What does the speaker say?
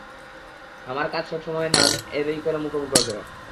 আমার কাজে সবসময় নান-এরই কেন মুখোমুখি হতে হয়?